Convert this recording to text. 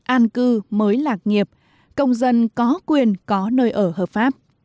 an cư mới lạc nghiệp công dân có quyền có nơi ở hợp pháp